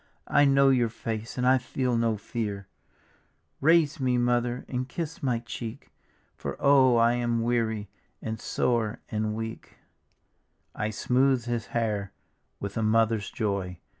I know your face and I feel no fear; Raise me. Mother, and kiss my cheek. For oh I am weary and sore and weaL" I smoothed his hair with a mother's joy.